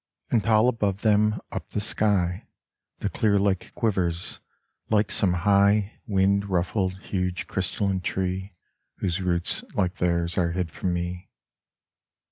And tall above them up the sky The clear lake quivers like some high Wind ruffled huge crystalline tree Whose roots like theirs are hid from me.